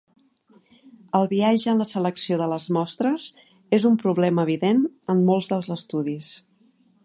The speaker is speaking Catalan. El biaix en la selecció de les mostres és un problema evident en molts dels estudis.